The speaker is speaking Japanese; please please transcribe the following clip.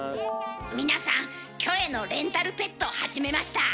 皆さんキョエのレンタルペット始めました。